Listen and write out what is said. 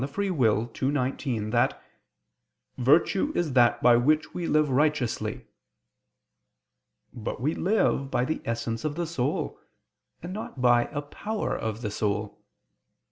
Arb. ii, 19) that "virtue is that by which we live righteously." But we live by the essence of the soul, and not by a power of the soul.